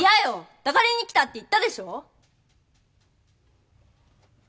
抱かれに来たって言ったでしょ！